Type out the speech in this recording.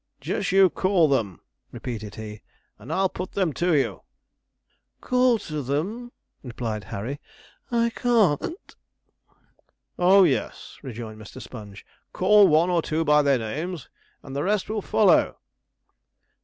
'Just you call them,' repeated he, 'and I'll put them to you.' 'call to them?' replied Harry. 'I can't.' 'Oh yes!' rejoined Mr. Sponge; 'call one or two by their names, and the rest will follow.'